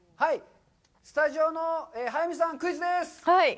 スタジオの早見さん、クイズです。